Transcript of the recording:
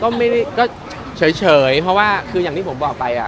อ๋อไม่ไม่ได้ถามก็อยากรู้ไหมหรอก็เฉยเพราะว่าคืออย่างที่ผมบอกไป